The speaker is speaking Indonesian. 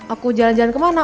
aku jalan jalan kemana